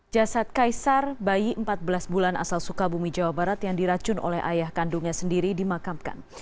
jasad kaisar bayi empat belas bulan asal sukabumi jawa barat yang diracun oleh ayah kandungnya sendiri dimakamkan